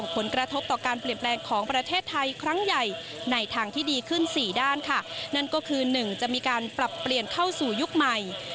๑ไปสู่ยุคใหม่